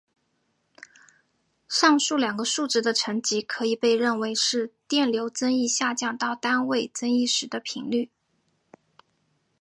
上述两个数值的乘积可以被认为是电流增益下降到单位增益时的频率。